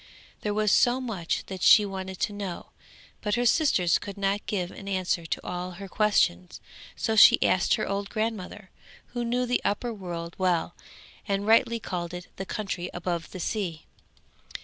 There was so much that she wanted to know, but her sisters could not give an answer to all her questions, so she asked her old grandmother, who knew the upper world well, and rightly called it the country above the sea.